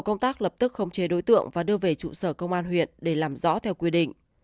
công tác lập tức khống chế đối tượng và đưa về trụ sở công an huyện để làm rõ theo quy định